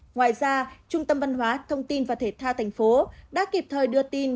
ngoài ra trung tâm văn hóa thông tin và thể tha tp long khánh đã kịp thời đưa tin